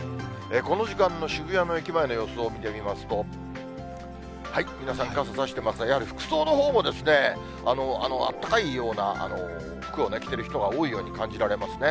この時間の渋谷の駅前の様子を見てみますと、皆さん、傘差してますが、やはり服装のほうも、あったかいような服を着てる人が多いように感じられますね。